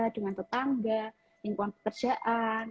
dengan tetangga lingkungan pekerjaan